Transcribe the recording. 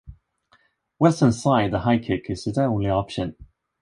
Whilst inside, the high kick is the only option.